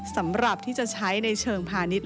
สำหรับที่จะใช้ในเชิงพาณิชย